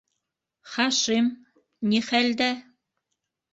Хашим... ни хәлдә?